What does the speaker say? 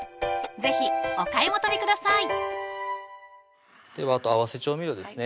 是非お買い求めくださいではあと合わせ調味料ですね